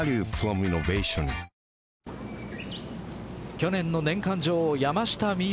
去年の年間女王、山下美夢